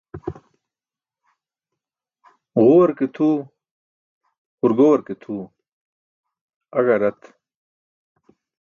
Ġuwar ke tʰuu, hurgowar ke tʰuu, aẏa rat.